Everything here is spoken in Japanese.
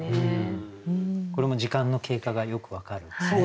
これも時間の経過がよく分かるんですね。